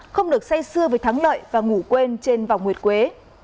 không được say xưa với thắng lợi và ngủ quên trên vòng nguyệt quế